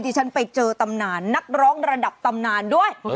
ฉันไปเจอตำนานนักร้องระดับตำนานด้วย